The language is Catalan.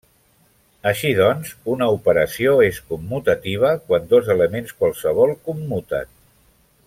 Així doncs, una operació és commutativa quan dos elements qualssevol commuten.